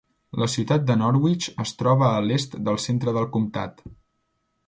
La ciutat de Norwich es situa a l'est del centre del comtat.